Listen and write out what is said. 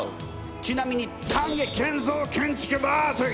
ちなみに丹下健三建築だ！